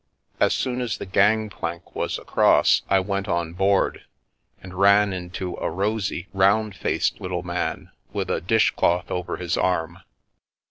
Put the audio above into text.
As soon as the gang plank was across I went on board, and ran into a rosy, round faced little man with a dish cloth over his arm.